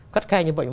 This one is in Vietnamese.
cắt khe như vậy